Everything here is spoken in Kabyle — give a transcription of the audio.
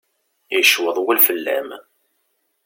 Yecweḍ wul fell-am.